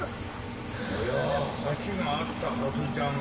おやはしがあったはずじゃが。